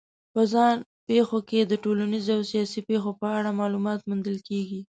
په ځان پېښو کې د ټولنیزو او سیاسي پېښو په اړه معلومات موندل کېږي.